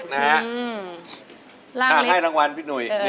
ให้รางวัลพี่หนุ่ย